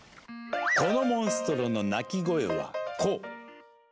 このモンストロの鳴き声はこう。